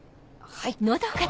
はい。